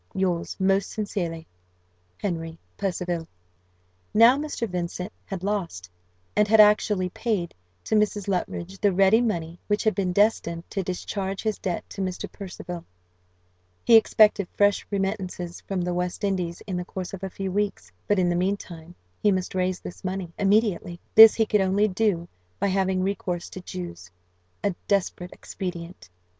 "Yours most sincerely, "HENRY PERCIVAL." Now Mr. Vincent had lost, and had actually paid to Mrs. Luttridge, the ready money which had been destined to discharge his debt to Mr. Percival: he expected fresh remittances from the West Indies in the course of a few weeks; but, in the mean time, he must raise this money immediately: this he could only do by having recourse to Jews a desperate expedient.